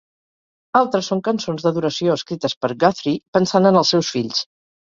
Altres són cançons d'adoració escrites per Guthrie pensant en els seus fills.